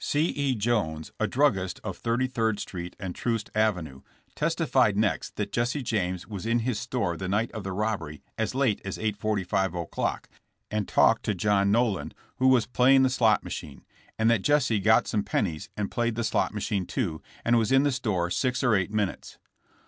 C. E. Jones, a druggist of Thirty third street and Troost avenue, testified next that Jesse James was in his store the night of the robbery as late as 8:45 o'clock and talked to John Noland, who was playing the slot machine, and that Jesse got some pennies and played the slot machine, too, and was in the store six or eight minutes.